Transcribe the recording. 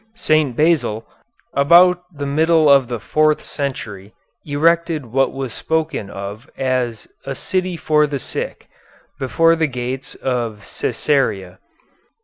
St. Basil, about the middle of the fourth century, erected what was spoken of as "a city for the sick," before the gates of Cæsarea.